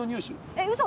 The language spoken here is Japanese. えっうそ？